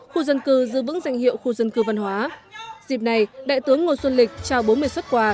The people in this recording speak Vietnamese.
khu dân cư giữ vững danh hiệu khu dân cư văn hóa dịp này đại tướng ngô xuân lịch trao bốn mươi xuất quà